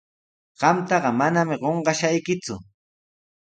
Qamtaqa manami qunqashaykiku.